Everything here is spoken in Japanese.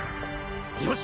よし！